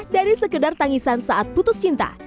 dari sekedar tangisan saat putus cinta